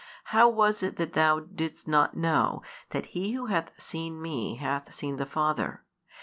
How was it that thou didst not know that he who hath seen Me hath seen the Father?